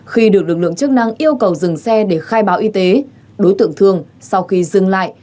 khi được lực lượng chức năng yêu cầu dừng xe để khai báo y tế đối tượng thường sau khi dừng lại